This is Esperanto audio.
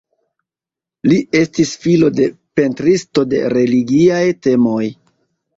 Li estis filo de pentristo de religiaj temoj.